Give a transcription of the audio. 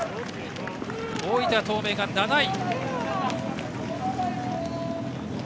大分東明が７位。